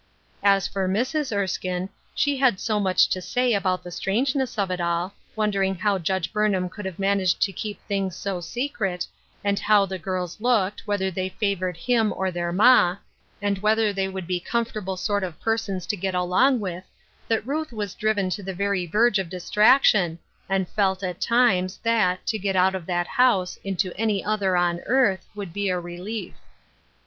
As for Mrs. Erskine, she had so much to say about the strangeness of it all — wondering how Judge Burnham could have managed to keep things so sf^cret, and how the girls looked, whether they favored him, or their ma, and Duty's Burden, 271 whether they would be comfortable sort of persons to get along with — that Ruth was driven to the very verge of distraction, and felt, at times, that, to get out of that house, into any other on earth, would be a relief.